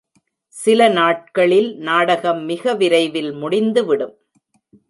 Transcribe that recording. சில நாட்களில் நாடகம் மிக விரைவில் முடிந்துவிடும்.